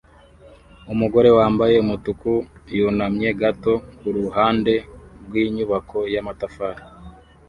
Umugore wambaye umutuku yunamye gato kuruhande rwinyubako yamatafari